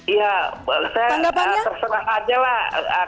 ya saya terserah aja lah